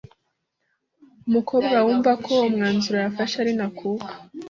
Umukobwa wumva ko umwanzuro yafashe ari ntakuka